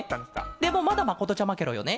でもまだまことちゃまケロよね？